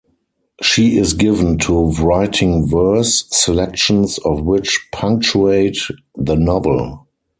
She is given to writing verse, selections of which punctuate the novel.